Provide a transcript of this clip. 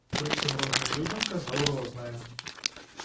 Прычым розным людзям казаў рознае.